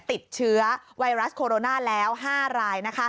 ติดเชื้อไวรัสโคโรนาแล้ว๕ราย